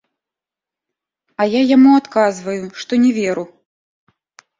А я яму адказваю, што не веру.